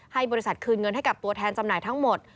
ให้บริษัทคืนเงินให้กับตัวแทนจำหน่ายทั้งหมด